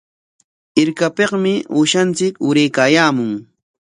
Hirkapikmi uushanchik uraykaayaamun.